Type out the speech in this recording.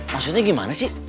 maksudnya gimana sih